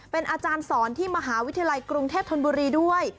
เป็นอาจารย์สอนที่มหาวิทยาลัยกรุงเทพธนบุรีด้วย